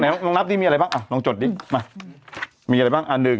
น้องนับนี่มีอะไรบ้างรองจดดิ